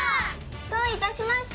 どういたしまして！